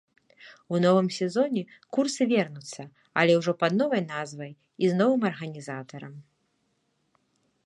У новым сезоне курсы вернуцца, але ўжо пад новай назвай і з новым арганізатарам.